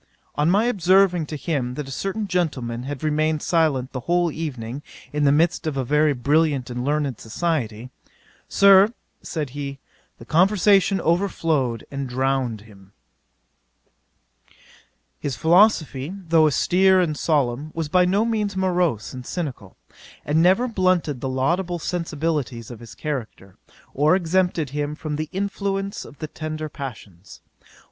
On my observing to him that a certain gentleman had remained silent the whole evening, in the midst of a very brilliant and learned society, "Sir, (said he,) the conversation overflowed, and drowned him." 'His philosophy, though austere and solemn, was by no means morose and cynical, and never blunted the laudable sensibilities of his character, or exempted him from the influence of the tender passions.